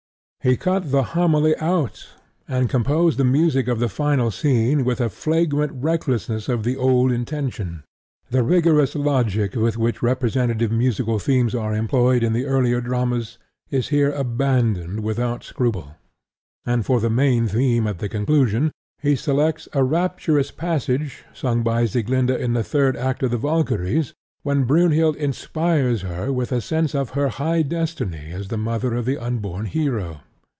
He cut the homily out, and composed the music of the final scene with a flagrant recklessness of the old intention. The rigorous logic with which representative musical themes are employed in the earlier dramas is here abandoned without scruple; and for the main theme at the conclusion he selects a rapturous passage sung by Sieglinda in the third act of The Valkyries when Brynhild inspires her with a sense of her high destiny as the mother of the unborn hero.